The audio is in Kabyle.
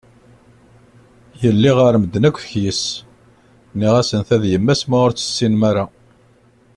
Yelli ɣer medden akk tekyes, nniɣ-asen ta d yemma-s ma ur tt-tessinem.